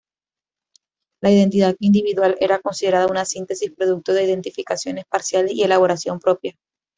La identidad individual era considerada una síntesis producto de identificaciones parciales y elaboración propia.